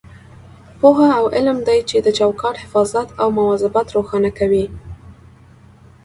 پوهه او علم دی چې د چوکاټ حفاظت او مواظبت روښانه کوي.